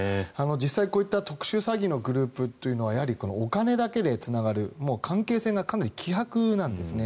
実際、こういった特殊詐欺のグループというのはやはりお金だけでつながる関係性がかなり希薄なんですね。